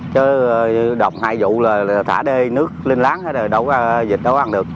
chứ đồng hai vụ là thả đê nước linh láng hết rồi dịch đâu có ăn được